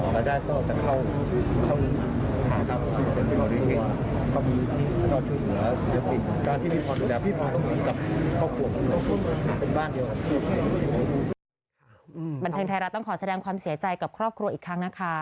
บันเทิงไทยรัฐต้องขอแสดงความเสียใจกับครอบครัวอีกครั้งนะคะ